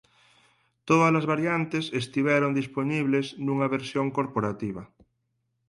Todas as variantes estiveron dispoñibles nunha versión corporativa.